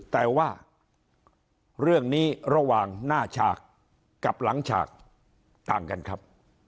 แต่ว่าเรื่องนี้ระหว่างหน้าฉากกับหลังฉากต่างกันครับ